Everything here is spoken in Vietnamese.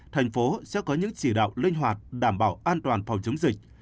thành phố sẽ có những chỉ đạo linh hoạt đảm bảo an toàn phòng chống dịch